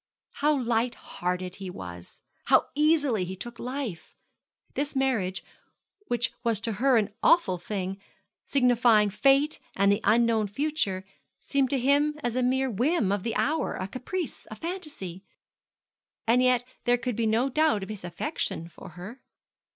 How light hearted he was! and how easily he took life! This marriage, which was to her an awful thing, signifying fate and the unknown future, seemed to him as a mere whim of the hour, a caprice, a fancy. And yet there could be no doubt of his affection for her.